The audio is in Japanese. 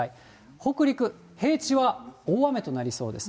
北陸、平地は大雨となりそうです。